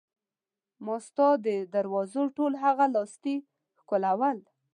ما ستا د دروازو ټول هغه لاستي ښکلول.